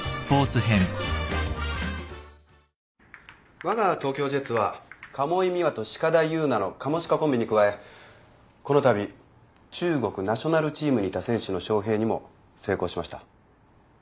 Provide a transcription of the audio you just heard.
わが東京ジェッツは鴨井ミワと鹿田優奈のカモシカコンビに加えこのたび中国ナショナルチームにいた選手の招聘にも成功しました。